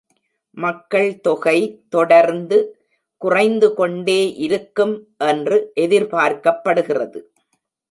மக்கள் தொகை தொடர்ந்து குறைந்து கொண்டே இருக்கும் என்று எதிர்பார்க்கப்படுகிறது.